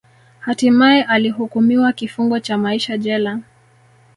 Hatimae alihukumiwa kifungo cha maisha jela